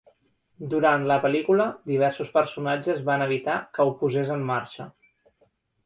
Durant la pel·lícula, diversos personatges van evitar que ho posés en marxa.